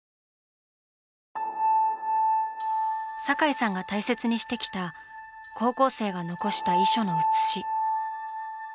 堺さんが大切にしてきた高校生が残した遺書の写し。